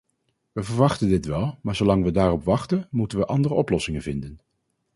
We verwachten dit wel, maar zolang we daarop wachten, moeten we andere oplossingen vinden.